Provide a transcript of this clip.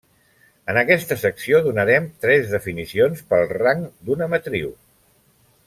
En aquesta secció donarem tres definicions pel rang d'una matriu.